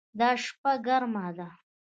دا شپه ګرمه ده